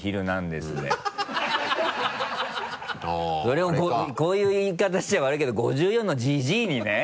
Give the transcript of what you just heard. それをこういう言い方しちゃ悪いけど５４のジジイにね。